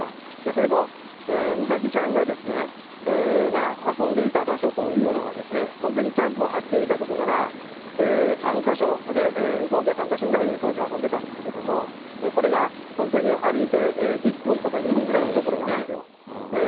それと美咲ちゃんが遊んでいた場所というのが、本当にキャンプを張っていた所から、３か所で、合計３か所ぐらいで当時遊んでたんですけれども、これが本当に歩いて１分とか２分ぐらいの所なんですよ。